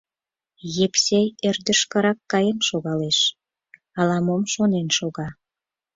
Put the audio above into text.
Епсей ӧрдыжкырак каен шогалеш, ала-мом шонен шога.